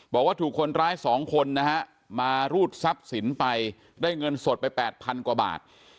บอกว่าถูกคนร้าย๒คนนะฮะมารูดทรัพย์สินไปได้เงินสดไป๘๐๐๐กว่าบาท